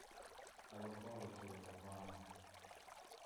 I look forward to your reply.